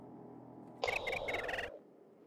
山东半岛属暖温带湿润季风气候。